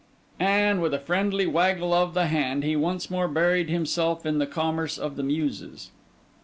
And with a friendly waggle of the hand, he once more buried himself in the commerce of the Muses.